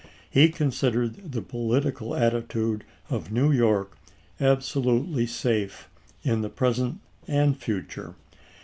He con sidered the political attitude of New York abso lutely safe in the present and future.